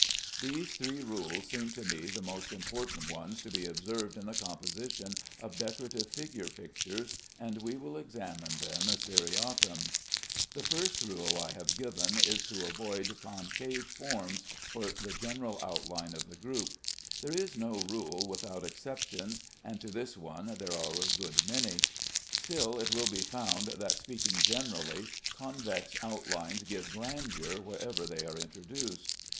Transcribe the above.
These three rules seem to me the most important ones to be observed in the composition of decorative figure pictures, and we will examine them seriatim. The first rule I have given is to avoid concave forms for the general outline of the groups. There is no rule without exceptions, and to this one there are a good many; still it will be found that, speaking generally, convex outlines give grandeur wherever they are introduced.